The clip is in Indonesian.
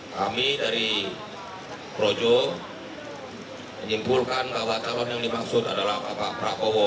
kami dari projo menyimpulkan bahwa calon yang dimaksud adalah bapak prabowo